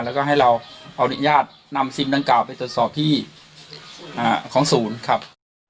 แล้วก็ให้เราขออนุญาตนำซิมดังกล่าวไปตรวจสอบที่ของศูนย์ครับ